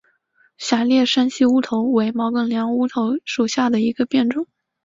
狭裂山西乌头为毛茛科乌头属下的一个变种。